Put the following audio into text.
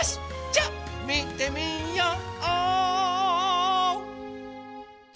じゃあみてみよう！